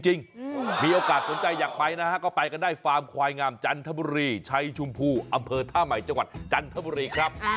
มีโอกาสสนใจอยากไปนะฮะก็ไปกันได้ฟาร์มควายงามจันทบุรีชัยชมพูอำเภอท่าใหม่จังหวัดจันทบุรีครับ